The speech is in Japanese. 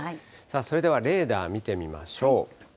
それではレーダー見てみましょう。